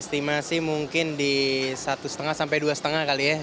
estimasi mungkin di satu lima sampai dua lima kali ya